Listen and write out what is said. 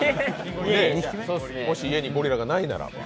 もし家にゴリらがないならば。